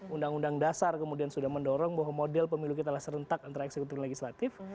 undang undang dasar kemudian sudah mendorong bahwa model pemilu kitalah serentak antara eksekutif dan legislatif